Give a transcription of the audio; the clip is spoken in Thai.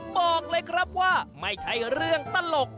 บอกเลยครับว่าไม่ใช่เรื่องตลก